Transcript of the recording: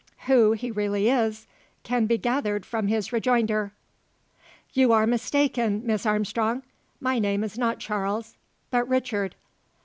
Who he really is can be gathered from his rejoinder: "You are mistaken, Miss Armstrong. My name is not Charles, but Richard.